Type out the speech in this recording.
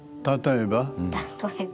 例えば？